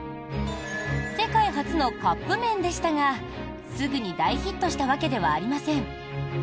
世界初のカップ麺でしたがすぐに大ヒットしたわけではありません。